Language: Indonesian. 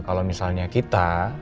kalau misalnya kita